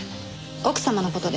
奥様の事で？